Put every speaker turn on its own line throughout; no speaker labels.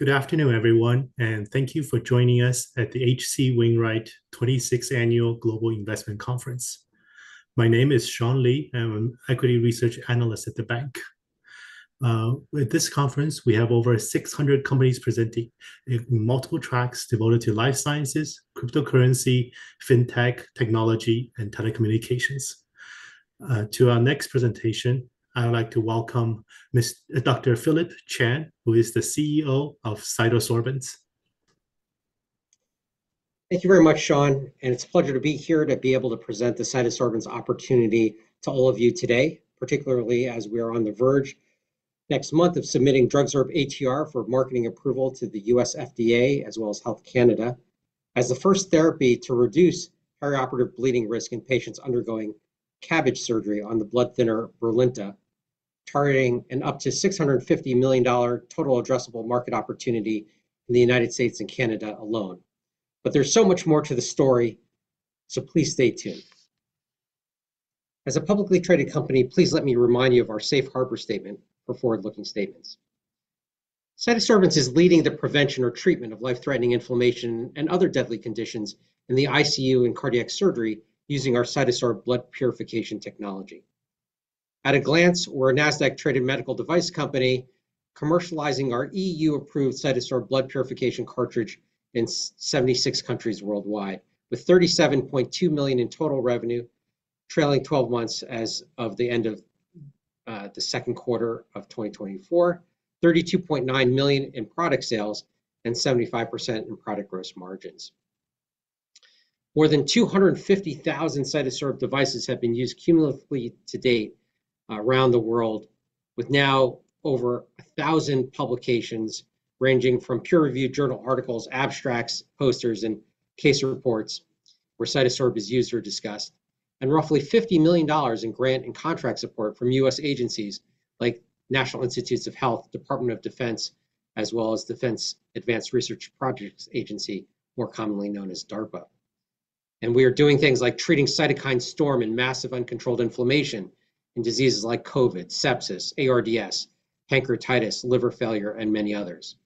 Good afternoon, everyone, and thank you for joining us at the H.C. Wainwright 26th Annual Global Investment Conference. My name is Sean Lee. I'm an Equity Research Analyst at the bank. At this conference, we have over 600 companies presenting in multiple tracks devoted to life sciences, cryptocurrency, fintech, technology, and telecommunications. To our next presentation, I would like to welcome Dr. Phillip Chan, who is the CEO of Cytosorbents.
Thank you very much, Sean, and it's a pleasure to be here to be able to present the Cytosorbents opportunity to all of you today, particularly as we are on the verge, next month, of submitting DrugSorb-ATR for marketing approval to the U.S. FDA, as well as Health Canada, as the first therapy to reduce perioperative bleeding risk in patients undergoing CABG surgery on the blood thinner, Brilinta, targeting an up to $650 million total addressable market opportunity in the United States and Canada alone. But there's so much more to the story, so please stay tuned. As a publicly traded company, please let me remind you of our safe harbor statement for forward-looking statements. Cytosorbents is leading the prevention or treatment of life-threatening inflammation and other deadly conditions in the ICU and cardiac surgery using our Cytosorb blood purification technology. At a glance, we're a NASDAQ-traded medical device company commercializing our EU-approved CytoSorb blood purification cartridge in 76 countries worldwide, with $37.2 million in total revenue, trailing 12 months as of the end of the second quarter of 2024, $32.9 million in product sales and 75% in product gross margins. More than 250,000 CytoSorb devices have been used cumulatively to date, around the world, with now over 1,000 publications, ranging from peer-reviewed journal articles, abstracts, posters, and case reports where CytoSorb is used or discussed, and roughly $50 million in grant and contract support from U.S. agencies like National Institutes of Health, Department of Defense, as well as Defense Advanced Research Projects Agency, more commonly known as DARPA. And we are doing things like treating cytokine storm and massive uncontrolled inflammation in diseases like COVID, sepsis, ARDS, pancreatitis, liver failure, and many others.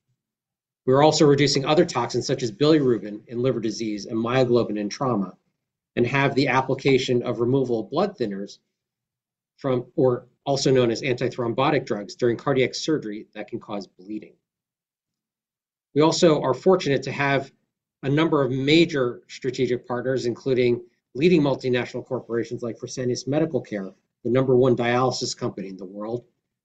We're also reducing other toxins, such as bilirubin in liver disease and myoglobin in trauma, and have the application of removal of blood thinners from or also known as antithrombotic drugs, during cardiac surgery that can cause bleeding. We also are fortunate to have a number of major strategic partners, including leading multinational corporations like Fresenius Medical Care, the number one dialysis company in the world,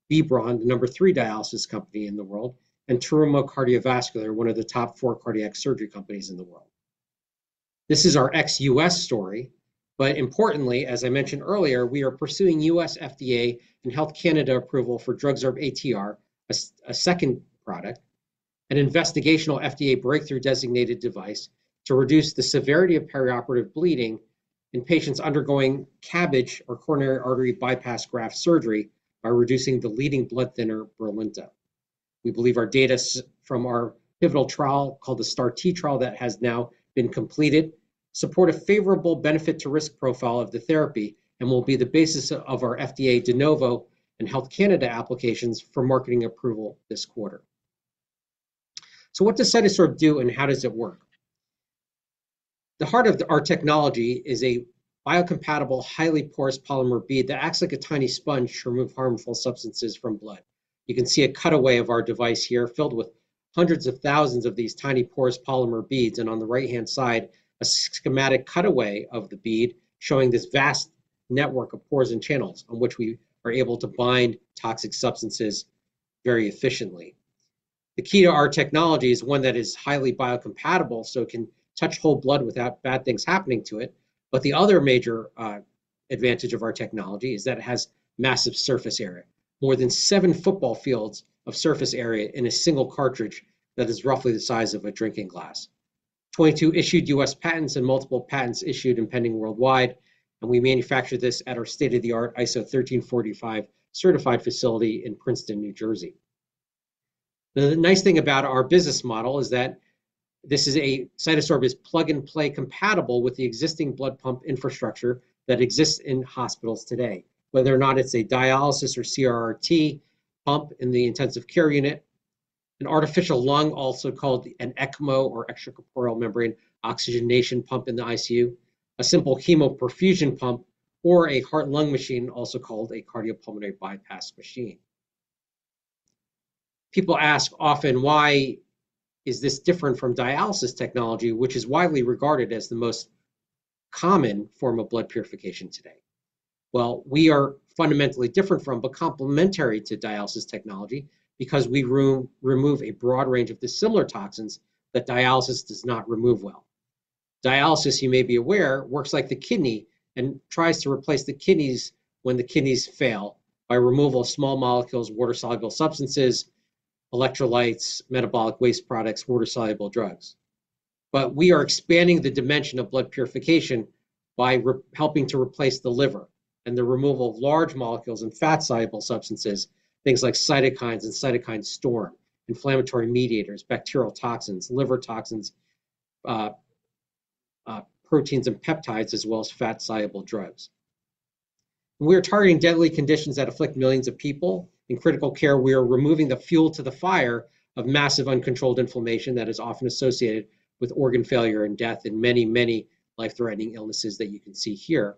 B. Braun, the number three dialysis company in the world, and Terumo Cardiovascular, one of the top four cardiac surgery companies in the world. This is our ex-US story, but importantly, as I mentioned earlier, we are pursuing U.S. FDA and Health Canada approval for DrugSorb-ATR, a second product, an investigational FDA Breakthrough Designated device to reduce the severity of perioperative bleeding in patients undergoing CABG, or coronary artery bypass graft surgery, by reducing the leading blood thinner, Brilinta. We believe our data from our pivotal trial, called the STAR-T trial, that has now been completed, support a favorable benefit to risk profile of the therapy and will be the basis of our FDA De Novo and Health Canada applications for marketing approval this quarter. What does CytoSorb do and how does it work? The heart of our technology is a biocompatible, highly porous polymer bead that acts like a tiny sponge to remove harmful substances from blood. You can see a cutaway of our device here, filled with hundreds of thousands of these tiny, porous polymer beads, and on the right-hand side, a schematic cutaway of the bead, showing this vast network of pores and channels on which we are able to bind toxic substances very efficiently. The key to our technology is one that is highly biocompatible, so it can touch whole blood without bad things happening to it. But the other major advantage of our technology is that it has massive surface area, more than seven football fields of surface area in a single cartridge that is roughly the size of a drinking glass. 22 issued U.S. patents and multiple patents issued and pending worldwide, and we manufacture this at our state-of-the-art ISO 13485 certified facility in Princeton, New Jersey. The nice thing about our business model is that this is a CytoSorb is plug-and-play compatible with the existing blood pump infrastructure that exists in hospitals today, whether or not it's a dialysis or CRRT pump in the intensive care unit, an artificial lung, also called an ECMO or extracorporeal membrane oxygenation pump in the ICU, a simple hemoperfusion pump, or a heart-lung machine, also called a cardiopulmonary bypass machine. People ask often: Why is this different from dialysis technology, which is widely regarded as the most common form of blood purification today? We are fundamentally different from, but complementary to dialysis technology because we remove a broad range of dissimilar toxins that dialysis does not remove well. Dialysis, you may be aware, works like the kidney and tries to replace the kidneys when the kidneys fail by removal of small molecules, water-soluble substances, electrolytes, metabolic waste products, water-soluble drugs. But we are expanding the dimension of blood purification by helping to replace the liver and the removal of large molecules and fat-soluble substances, things like cytokines and cytokine storm, inflammatory mediators, bacterial toxins, liver toxins, proteins and peptides, as well as fat-soluble drugs. We are targeting deadly conditions that afflict millions of people. In critical care, we are removing the fuel to the fire of massive uncontrolled inflammation that is often associated with organ failure and death in many, many life-threatening illnesses that you can see here.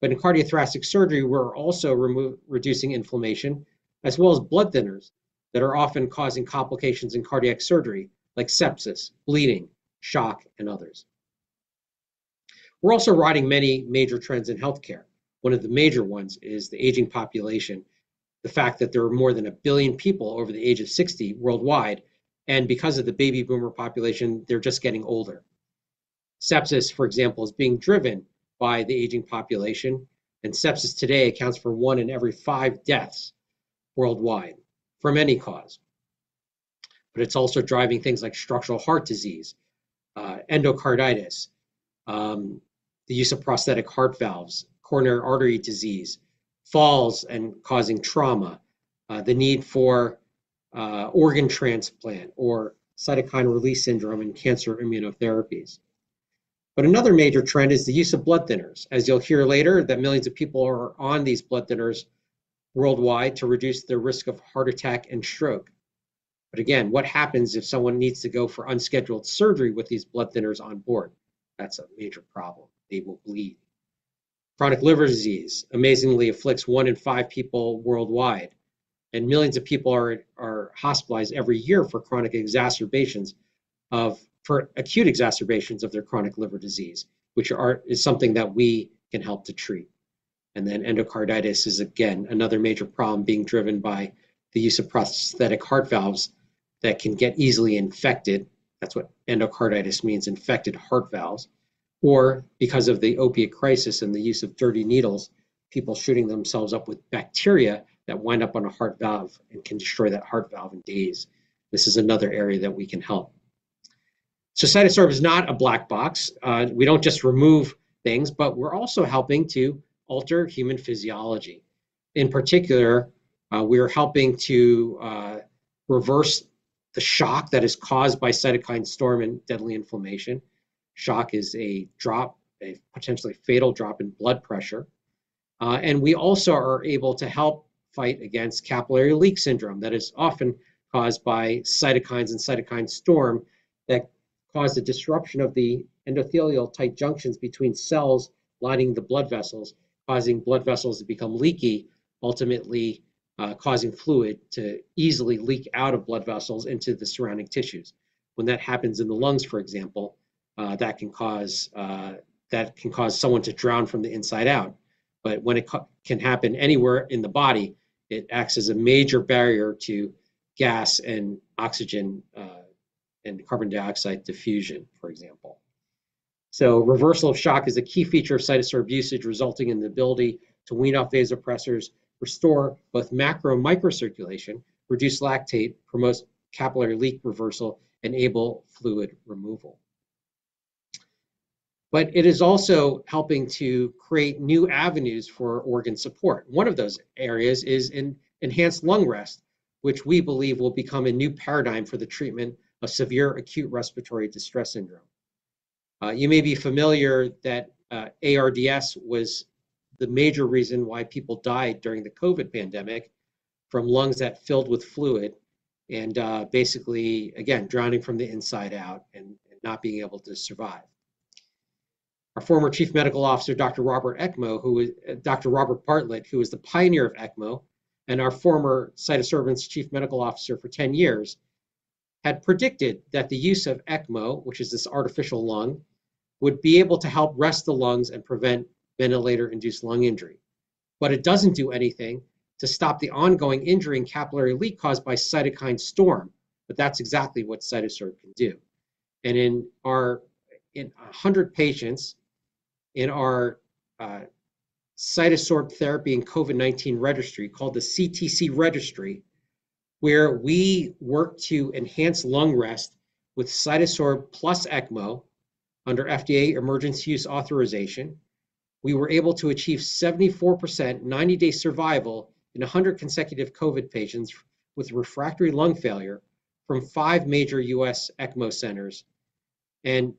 But in cardiothoracic surgery, we're also reducing inflammation, as well as blood thinners that are often causing complications in cardiac surgery, like sepsis, bleeding, shock, and others. We're also riding many major trends in healthcare. One of the major ones is the aging population, the fact that there are more than a billion people over the age of sixty worldwide, and because of the baby boomer population, they're just getting older. Sepsis, for example, is being driven by the aging population, and sepsis today accounts for one in every five deaths worldwide from any cause. But it's also driving things like structural heart disease, endocarditis, the use of prosthetic heart valves, coronary artery disease, falls and causing trauma, the need for, organ transplant or cytokine release syndrome in cancer immunotherapies. But another major trend is the use of blood thinners. As you'll hear later, that millions of people are on these blood thinners worldwide to reduce their risk of heart attack and stroke. But again, what happens if someone needs to go for unscheduled surgery with these blood thinners on board? That's a major problem. They will bleed. Chronic liver disease amazingly afflicts one in five people worldwide, and millions of people are hospitalized every year for acute exacerbations of their chronic liver disease, which is something that we can help to treat. And then endocarditis is, again, another major problem being driven by the use of prosthetic heart valves that can get easily infected. That's what endocarditis means, infected heart valves. Or because of the opiate crisis and the use of dirty needles, people shooting themselves up with bacteria that wind up on a heart valve and can destroy that heart valve in days. This is another area that we can help. So CytoSorb is not a black box. We don't just remove things, but we're also helping to alter human physiology. In particular, we are helping to reverse the shock that is caused by cytokine storm and deadly inflammation. Shock is a drop, a potentially fatal drop in blood pressure. And we also are able to help fight against capillary leak syndrome that is often caused by cytokines and cytokine storm that cause a disruption of the endothelial tight junctions between cells lining the blood vessels, causing blood vessels to become leaky, ultimately, causing fluid to easily leak out of blood vessels into the surrounding tissues. When that happens in the lungs, for example, that can cause someone to drown from the inside out. But when it can happen anywhere in the body, it acts as a major barrier to gas and oxygen and carbon dioxide diffusion, for example. So reversal of shock is a key feature of Cytosorb usage, resulting in the ability to wean off vasopressors, restore both macro and microcirculation, reduce lactate, promote capillary leak reversal, enable fluid removal. But it is also helping to create new avenues for organ support. One of those areas is enhanced lung rest, which we believe will become a new paradigm for the treatment of severe acute respiratory distress syndrome. You may be familiar that ARDS was the major reason why people died during the COVID pandemic from lungs that filled with fluid and basically, again, drowning from the inside out and not being able to survive. Our former Chief Medical Officer, Dr. Robert Bartlett, who was the pioneer of ECMO and our former Cytosorbents Chief Medical Officer for 10 years, had predicted that the use of ECMO, which is this artificial lung, would be able to help rest the lungs and prevent ventilator-induced lung injury. But it doesn't do anything to stop the ongoing injury and capillary leak caused by cytokine storm. But that's exactly what CytoSorb can do. And in 100 patients in our CytoSorb therapy in COVID-19 registry, called the CTC Registry, where we worked to enhance lung rest with CytoSorb plus ECMO under FDA Emergency Use Authorization, we were able to achieve 74% 90-day survival in 100 consecutive COVID patients with refractory lung failure from five major U.S. ECMO centers. And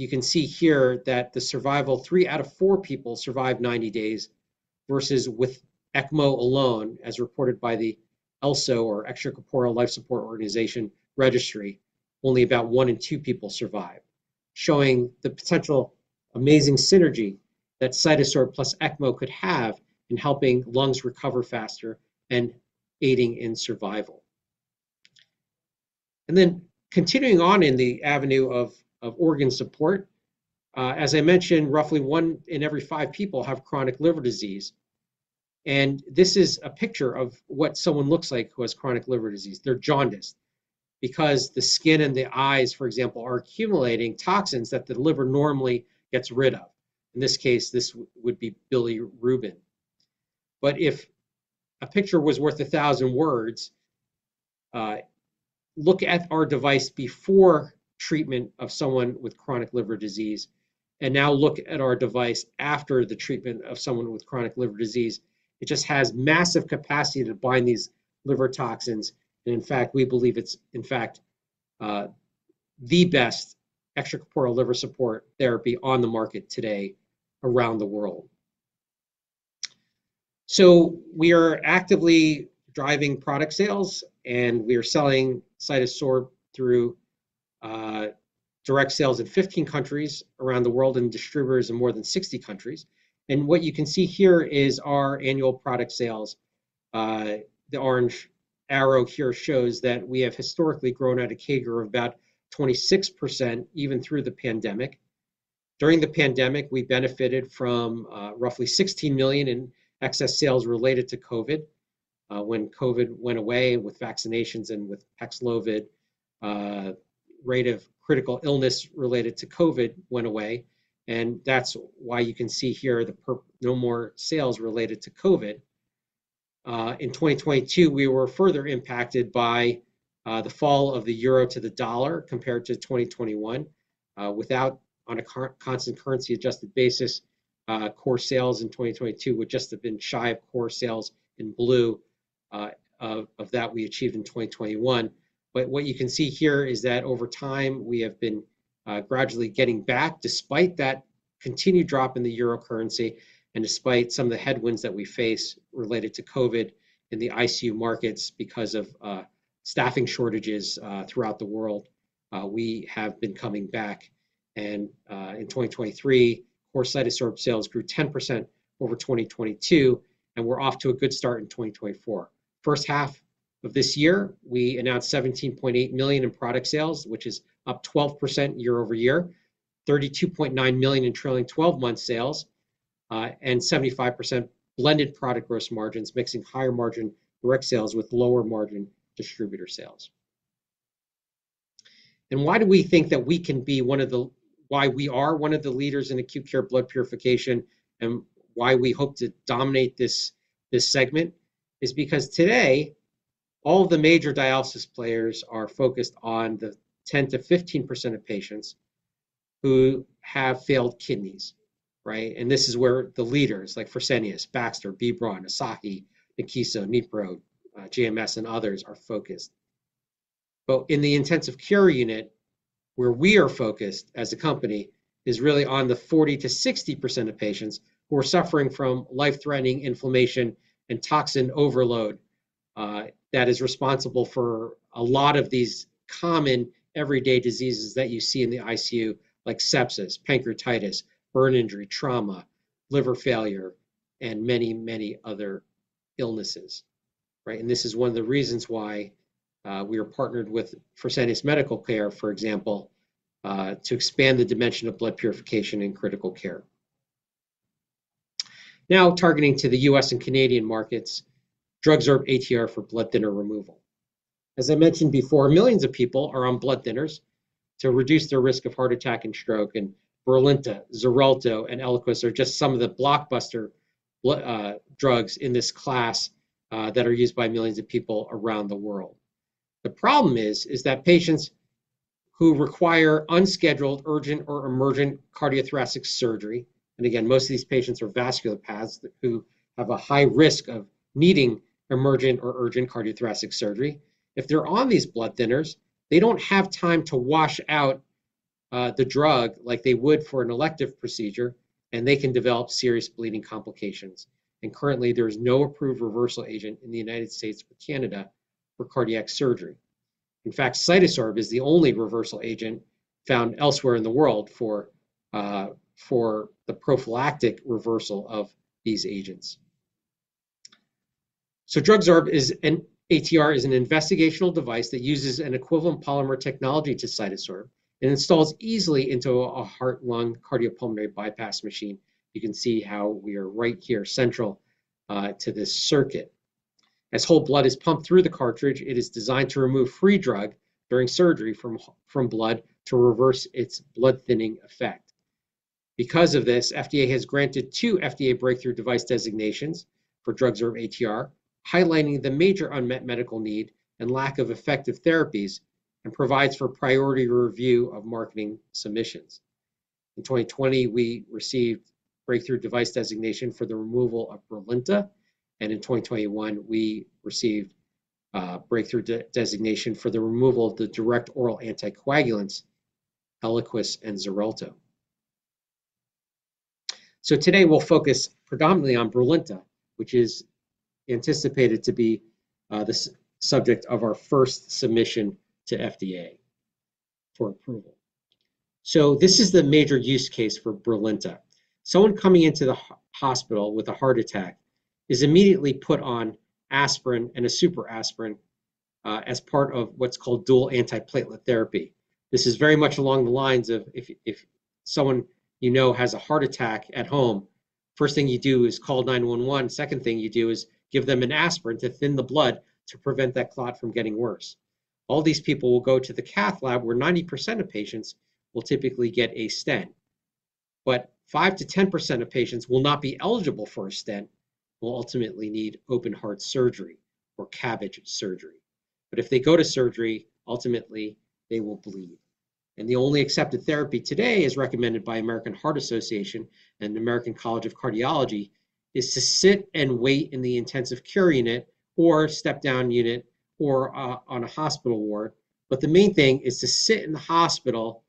you can see here that the survival, three out of four people survived 90 days versus with ECMO alone, as reported by the ELSO, or Extracorporeal Life Support Organization registry, only about one in two people survive, showing the potential amazing synergy that CytoSorb plus ECMO could have in helping lungs recover faster and aiding in survival. And then continuing on in the avenue of, of organ support, as I mentioned, roughly one in every five people have chronic liver disease, and this is a picture of what someone looks like who has chronic liver disease. They're jaundiced because the skin and the eyes, for example, are accumulating toxins that the liver normally gets rid of. In this case, this would be bilirubin. But if a picture was worth a thousand words, look at our device before treatment of someone with chronic liver disease, and now look at our device after the treatment of someone with chronic liver disease. It just has massive capacity to bind these liver toxins, and in fact, we believe it's, in fact, the best extracorporeal liver support therapy on the market today around the world. We are actively driving product sales, and we are selling CytoSorb through direct sales in 15 countries around the world and distributors in more than 60 countries. What you can see here is our annual product sales. The orange arrow here shows that we have historically grown at a CAGR of about 26%, even through the pandemic. During the pandemic, we benefited from roughly $16 million in excess sales related to COVID. When COVID went away with vaccinations and with Paxlovid, rate of critical illness related to COVID went away, and that's why you can see here no more sales related to COVID. In 2022, we were further impacted by the fall of the euro to the dollar, compared to 2021. Without, on a constant currency-adjusted basis, core sales in 2022 would just have been shy of core sales in 2021. But what you can see here is that over time, we have been gradually getting back, despite that continued drop in the euro currency and despite some of the headwinds that we face related to COVID in the ICU markets because of staffing shortages throughout the world, we have been coming back. In 2023, core CytoSorb sales grew 10% over 2022, and we're off to a good start in 2024. First half of this year, we announced $17.8 million in product sales, which is up 12% year over year, $32.9 million in trailing twelve-month sales, and 75% blended product gross margins, mixing higher-margin direct sales with lower-margin distributor sales. Why do we think that we can be one of the... Why we are one of the leaders in acute care blood purification and why we hope to dominate this segment is because today, all the major dialysis players are focused on the 10%-15% of patients who have failed kidneys, right? This is where the leaders, like Fresenius, Baxter, B. Braun, Asahi, Nikkiso, Nipro, JMS, and others are focused. But in the intensive care unit, where we are focused as a company, is really on the 40%-60% of patients who are suffering from life-threatening inflammation and toxin overload, that is responsible for a lot of these common everyday diseases that you see in the ICU, like sepsis, pancreatitis, burn injury, trauma, liver failure, and many, many other illnesses, right? And this is one of the reasons why, we are partnered with Fresenius Medical Care, for example, to expand the dimension of blood purification in critical care. Now, targeting to the U.S. and Canadian markets, DrugSorb-ATR for blood thinner removal. As I mentioned before, millions of people are on blood thinners to reduce their risk of heart attack and stroke, and Brilinta, Xarelto, and Eliquis are just some of the blockbuster drugs in this class that are used by millions of people around the world. The problem is that patients who require unscheduled, urgent, or emergent cardiothoracic surgery, and again, most of these patients are vascular patients who have a high risk of needing emergent or urgent cardiothoracic surgery. If they're on these blood thinners, they don't have time to wash out the drug like they would for an elective procedure, and they can develop serious bleeding complications, and currently there is no approved reversal agent in the United States or Canada for cardiac surgery. In fact, CytoSorb is the only reversal agent found elsewhere in the world for the prophylactic reversal of these agents. So DrugSorb-ATR is an investigational device that uses an equivalent polymer technology to CytoSorb and installs easily into a heart-lung cardiopulmonary bypass machine. You can see how we are right here, central, to this circuit. As whole blood is pumped through the cartridge, it is designed to remove free drug during surgery from blood to reverse its blood-thinning effect. Because of this, FDA has granted two FDA breakthrough device designations for DrugSorb-ATR, highlighting the major unmet medical need and lack of effective therapies and provides for priority review of marketing submissions. In 2020, we received breakthrough device designation for the removal of Brilinta, and in 2021, we received a breakthrough designation for the removal of the direct oral anticoagulants, Eliquis and Xarelto. So today, we'll focus predominantly on Brilinta, which is anticipated to be the subject of our first submission to FDA for approval. So this is the major use case for Brilinta. Someone coming into the hospital with a heart attack is immediately put on aspirin and a super aspirin as part of what's called dual antiplatelet therapy. This is very much along the lines of if someone you know has a heart attack at home, first thing you do is call nine one one. Second thing you do is give them an aspirin to thin the blood to prevent that clot from getting worse. All these people will go to the cath lab, where 90% of patients will typically get a stent, but 5%-10% of patients will not be eligible for a stent, will ultimately need open heart surgery or CABG surgery. But if they go to surgery, ultimately they will bleed. And the only accepted therapy today is recommended by American Heart Association and American College of Cardiology is to sit and wait in the intensive care unit or step-down unit or on a hospital ward. But the main thing is to sit in the hospital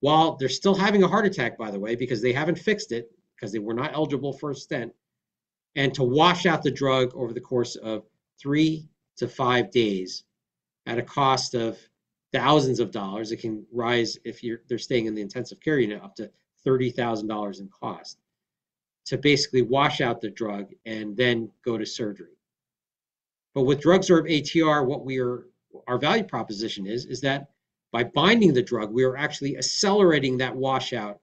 while they're still having a heart attack, by the way, because they haven't fixed it, because they were not eligible for a stent, and to wash out the drug over the course of 3-5 days at a cost of thousands of dollars. It can rise if they're staying in the intensive care unit, up to $30,000 in cost, to basically wash out the drug and then go to surgery. But with DrugSorb-ATR, our value proposition is that by binding the drug, we are actually accelerating that washout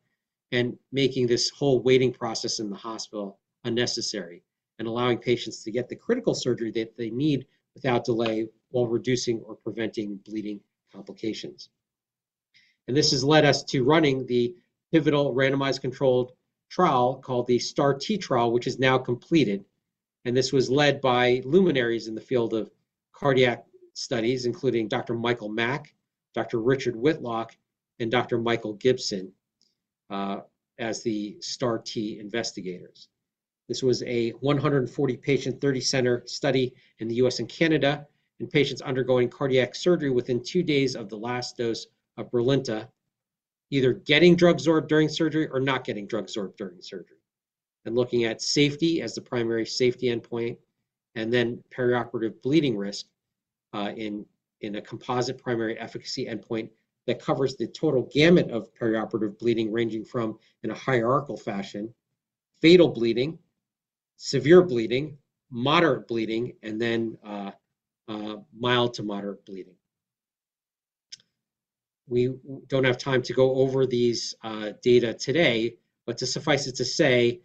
and making this whole waiting process in the hospital unnecessary and allowing patients to get the critical surgery that they need without delay, while reducing or preventing bleeding complications. And this has led us to running the pivotal randomized controlled trial called the STAR-T Trial, which is now completed. And this was led by luminaries in the field of cardiac studies, including Dr. Michael Mack, Dr. Richard Whitlock, and Dr. Michael Gibson, as the STAR-T investigators. This was a 140-patient, 30-center study in the US and Canada, in patients undergoing cardiac surgery within two days of the last dose of Brilinta, either getting DrugSorb during surgery or not getting DrugSorb during surgery, and looking at safety as the primary safety endpoint, and then perioperative bleeding risk in a composite primary efficacy endpoint that covers the total gamut of perioperative bleeding, ranging from, in a hierarchical fashion, fatal bleeding, severe bleeding, moderate bleeding, and then mild to moderate bleeding. We don't have time to go over these data today, but to suffice it to say,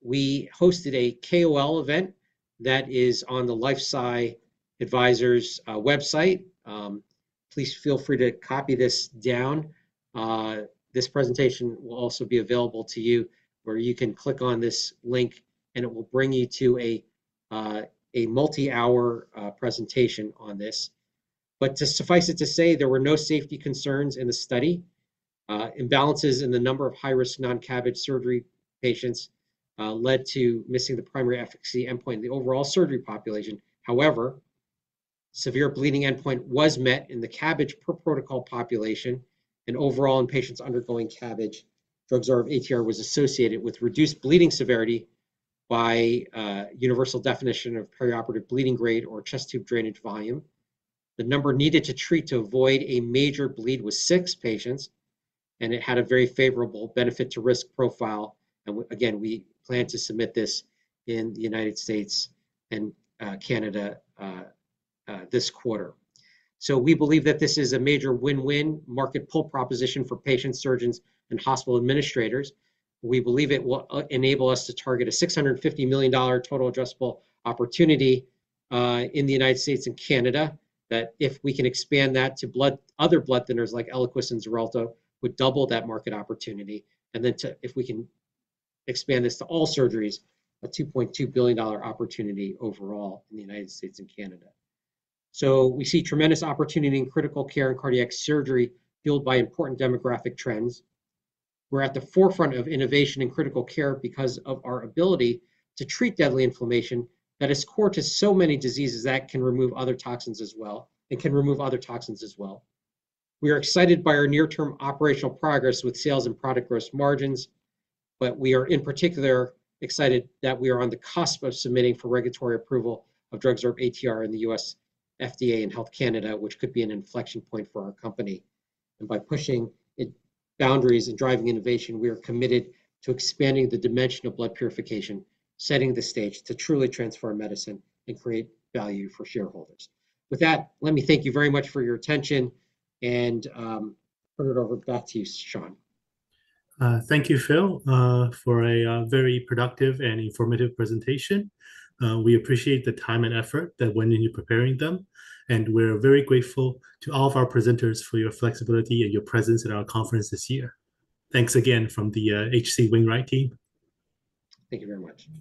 we hosted a KOL event that is on the LifeSci Advisors website. Please feel free to copy this down. This presentation will also be available to you, where you can click on this link, and it will bring you to a multi-hour presentation on this. But to suffice it to say, there were no safety concerns in the study. Imbalances in the number of high-risk non-CABG surgery patients led to missing the primary efficacy endpoint in the overall surgery population. However, severe bleeding endpoint was met in the CABG per-protocol population and overall in patients undergoing CABG. DrugSorb-ATR was associated with reduced bleeding severity by a universal definition of perioperative bleeding grade or chest tube drainage volume. The number needed to treat to avoid a major bleed was six patients, and it had a very favorable benefit-to-risk profile. And again, we plan to submit this in the United States and Canada this quarter. So we believe that this is a major win-win market pull proposition for patients, surgeons, and hospital administrators. We believe it will enable us to target a $650 million total addressable opportunity in the United States and Canada. That, if we can expand that to other blood thinners like Eliquis and Xarelto, would double that market opportunity. And then, if we can expand this to all surgeries, a $2.2 billion opportunity overall in the United States and Canada. So we see tremendous opportunity in critical care and cardiac surgery, fueled by important demographic trends. We're at the forefront of innovation in critical care because of our ability to treat deadly inflammation that is core to so many diseases that can remove other toxins as well. We are excited by our near-term operational progress with sales and product gross margins, but we are in particular excited that we are on the cusp of submitting for regulatory approval of DrugSorb-ATR in the U.S. FDA and Health Canada, which could be an inflection point for our company. By pushing its boundaries and driving innovation, we are committed to expanding the dimension of blood purification, setting the stage to truly transform medicine and create value for shareholders. With that, let me thank you very much for your attention and turn it over back to you, Sean.
Thank you, Phil, for a very productive and informative presentation. We appreciate the time and effort that went into preparing them, and we're very grateful to all of our presenters for your flexibility and your presence at our conference this year. Thanks again from the H.C. Wainwright team.
Thank you very much.